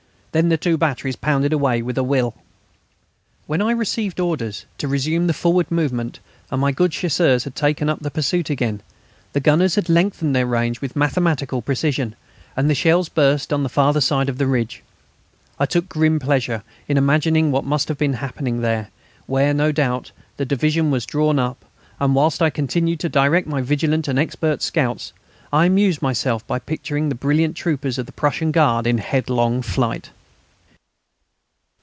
Then the two batteries pounded away with a will. When I had received orders to resume the forward movement and my good Chasseurs had taken up the pursuit again, the gunners had lengthened their range with mathematical precision, and the shells burst on the farther side of the ridge. I took a grim pleasure in imagining what must have been happening there, where, no doubt, the division was drawn up, and whilst I continued to direct my vigilant and expert scouts I amused myself by picturing the brilliant troopers of the Prussian Guard in headlong flight.